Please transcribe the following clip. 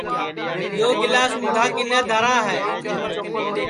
یو گِلاس اُندھا کِنے دھرا ہے